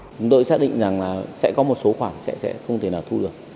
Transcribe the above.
chúng tôi xác định rằng là sẽ có một số khoản sẽ không thể nào thu được